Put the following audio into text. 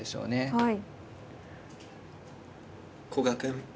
はい。